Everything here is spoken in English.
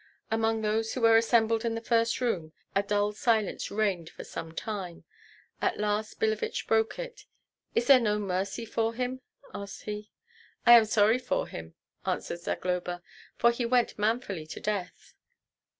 Among those who were assembled in the first room a dull silence reigned for some time; at last Billevich broke it. "Is there no mercy for him?" asked he. "I am sorry for him," answered Zagloba, "for he went manfully to death."